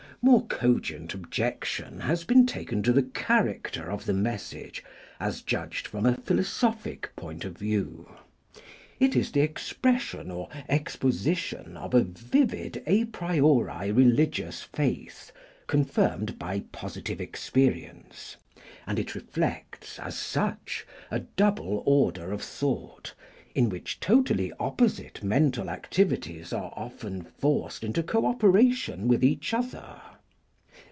More cogent objection has been taken to the character of the 'message' as judged from a philosophic point of view. It is the expression or exposition of a vivid a priori religious faith confirmed by positive experience; and it reflects as such a double order of thought, in which totally opposite mental activities are often forced into co operation with each other.